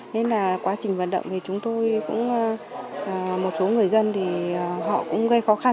nên là quá trình vận động thì chúng tôi cũng một số người dân thì họ cũng gây khó khăn